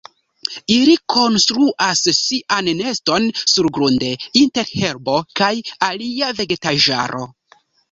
Ili konstruas sian neston surgrunde inter herbo kaj alia vegetaĵaro.